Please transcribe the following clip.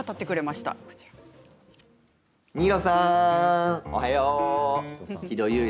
新納さん、おはよう。